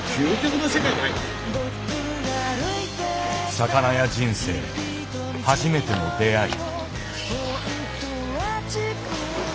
魚屋人生初めての出会い。